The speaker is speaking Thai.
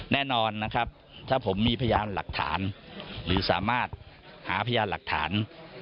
แน่นอนนะครับถ้าผมมีพยานหลักฐานหรือสามารถหาพยานหลักฐาน